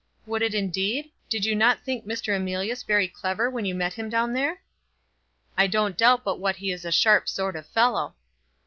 "Would it indeed? Did you not think Mr. Emilius very clever when you met him down here?" "I don't doubt but what he is a sharp sort of fellow."